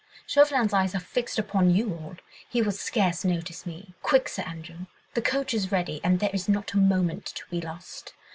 Chauvelin's eyes are fixed upon you all, he will scarce notice me. Quick, Sir Andrew!—the coach is ready, and there is not a moment to be lost.